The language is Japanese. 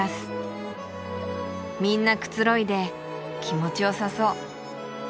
みんなくつろいで気持ちよさそう。